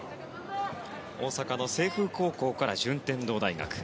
大阪の清風高校から順天堂大学。